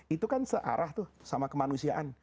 itu kan searah tuh sama kemanusiaan